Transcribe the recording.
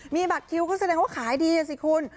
มีบัตรคิวก็แสดงว่าขายดีอ่ะสิคุณ